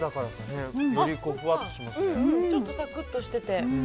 ちょっとサクッとしてて。